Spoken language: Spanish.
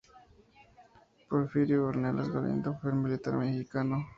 Porfirio Ornelas Galindo fue un militar mexicano.